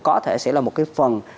có thể sẽ là một cái phần